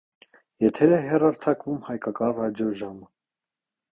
Եթեր է հեռարձակվում հայկական ռադիոժամ։